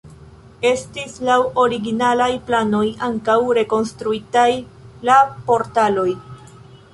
Estis laŭ originalaj planoj ankaŭ rekonstruitaj la portaloj.